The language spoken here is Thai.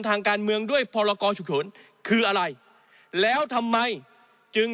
ทางการเมืองด้วยพรกรฉุกเฉินคืออะไรแล้วทำไมจึง